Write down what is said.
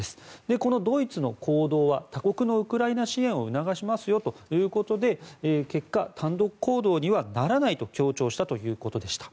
このドイツの行動は他国のウクライナ支援を促しますよということで結果、単独行動にはならないと強調したということでした。